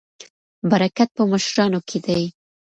برکت په مشرانو کې دی.